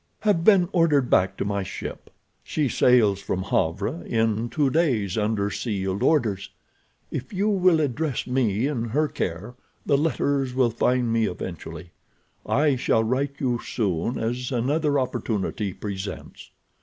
Have been ordered back to my ship. She sails from Havre in two days under sealed orders. If you will address me in her care, the letters will find me eventually. I shall write you as soon as another opportunity presents.